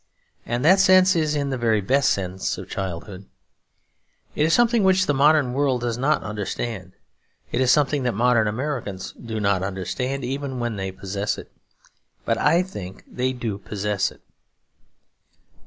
And that sense is in the very best sense of childhood. It is something which the modern world does not understand. It is something that modern Americans do not understand, even when they possess it; but I think they do possess it.